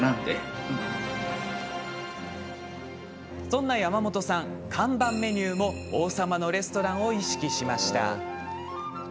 そんな山本さん、看板メニューも「王様のレストラン」を意識しました。